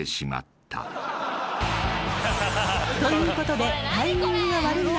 ［ということで］